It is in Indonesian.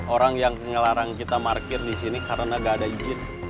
orang yang pengelarang kita markir disini karena gaada izin